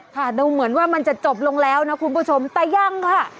ค่ะดูเหมือนว่ามันจะจบลงแล้วนะคุณผู้ชมแต่ยังค่ะ